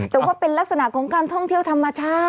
แต่ว่าเป็นลักษณะของการท่องเที่ยวธรรมชาติ